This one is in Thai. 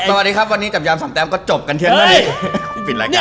สวัสดีครับวันนี้จับยามสำแตมก็จบกันเทียบหน้าดี